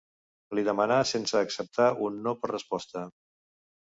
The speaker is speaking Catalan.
Li demanà sense acceptar un no per resposta.